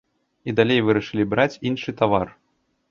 І далей вырашылі браць іншы тавар.